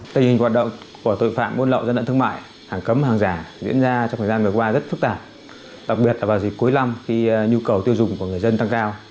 tình hình hoạt động của tội phạm buôn lậu gian lận thương mại hàng cấm hàng giả diễn ra trong thời gian vừa qua rất phức tạp đặc biệt là vào dịp cuối năm khi nhu cầu tiêu dùng của người dân tăng cao